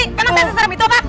kenapa saya se serem itu pak